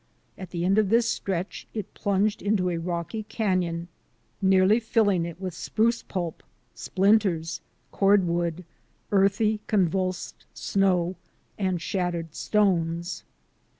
At the end of this stretch it plunged into a rocky canon, nearly filling it with spruce pulp, splinters, cordwood, earthy, convulsed snow, and shattered stones.